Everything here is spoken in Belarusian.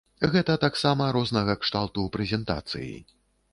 Гэта таксама рознага кшталту прэзентацыі.